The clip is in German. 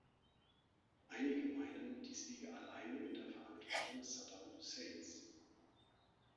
Einige meinen, dies liege alleine in der Verantwortung Saddam Husseins.